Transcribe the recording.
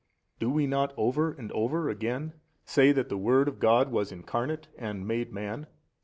A. Do we not over and over again say that the Word of God was Incarnate and made man?